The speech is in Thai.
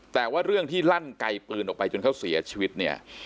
แต่ว่าเรื่องที่ลั่นไกลปืนออกไปจนเขาเสียชีวิตเนี่ย